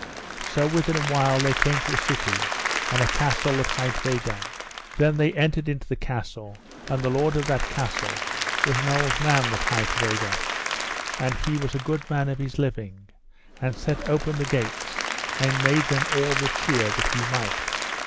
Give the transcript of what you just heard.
So within a while they came to a city, and a castle that hight Vagon. There they entered into the castle, and the lord of that castle was an old man that hight Vagon, and he was a good man of his living, and set open the gates, and made them all the cheer that he might.